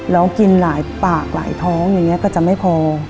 แล้วกินหลายปากหลายท้องอย่างนี้ก็จะไม่พอ